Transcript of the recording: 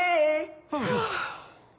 はあ。